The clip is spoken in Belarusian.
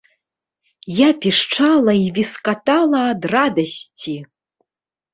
Я пішчала і віскатала ад радасці!